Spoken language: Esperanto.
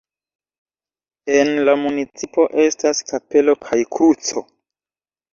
En la municipo estas kapelo kaj kruco.